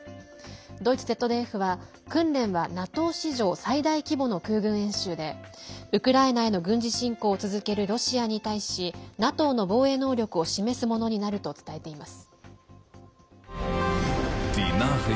ドイツＺＤＦは訓練はＮＡＴＯ史上最大規模の空軍演習で、ウクライナへの軍事侵攻を続けるロシアに対しＮＡＴＯの防衛能力を示すものになると伝えています。